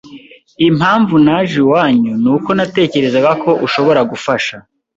Impamvu naje iwanyu ni uko natekerezaga ko ushobora gufasha.